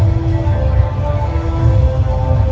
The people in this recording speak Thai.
สโลแมคริปราบาล